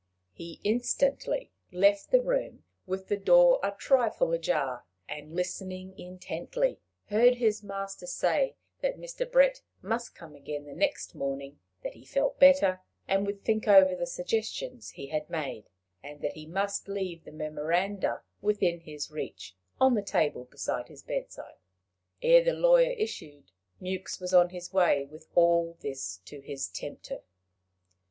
He instantly left the room, with the door a trifle ajar, and listening intently, heard his master say that Mr. Brett must come again the next morning; that he felt better, and would think over the suggestions he had made; and that he must leave the memoranda within his reach, on the table by his bedside. Ere the lawyer issued, Mewks was on his way with all this to his tempter.